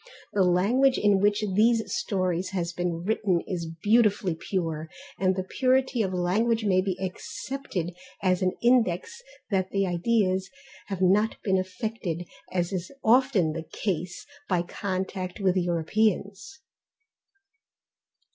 The language in which these stories have been written is beautifully pure, and the purity of language may be accepted as an index that the ideas have not been affected, as is often the case, by contact with Europeans.